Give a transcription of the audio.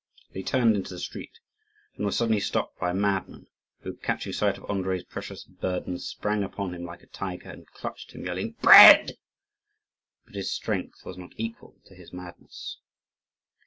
They turned into a street, and were suddenly stopped by a madman, who, catching sight of Andrii's precious burden, sprang upon him like a tiger, and clutched him, yelling, "Bread!" But his strength was not equal to his madness.